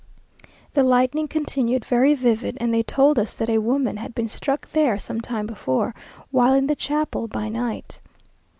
The lightning continued very vivid, and they told us that a woman had been struck there some time before, while in the chapel by night.